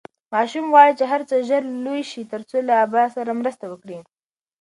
ماشوم غواړي چې هر څه ژر لوی شي ترڅو له ابا سره مرسته وکړي.